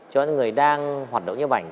cho những người đang hoạt động nhóm ảnh